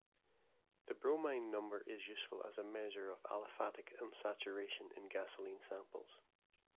The Bromine Number is useful as a measure of aliphatic unsaturation in gasoline samples.